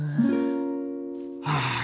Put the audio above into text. ああ。